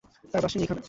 তার brush ring এইখানে।